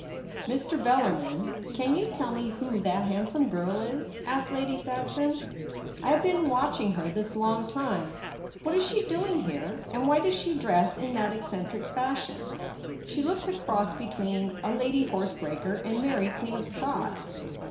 'WMt^' BELLARMIN, can you tell ,5 me who that handsome girl is?' asked Lady Saxon ;' I have been watchine her this lonof time. What is she doing here ? and why does she dress in that eccentric fashion ? She looks a cross between a lady horsebreaker and Mary Queen of Scots.'